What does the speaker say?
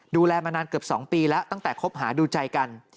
ดูแลมานานเกือบ๒ปีแล้วตั้งแต่คบหาดูใจกัน